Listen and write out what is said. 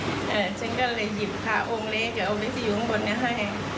อ่าฉันก็เลยหยิบค่าองค์เล็กอองเล็กที่อยู่ข้างบนนี้ให้